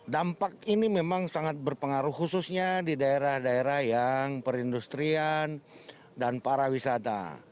dampak ini memang sangat berpengaruh khususnya di daerah daerah yang perindustrian dan para wisata